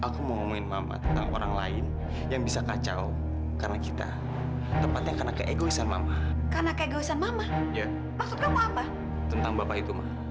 sampai jumpa di video selanjutnya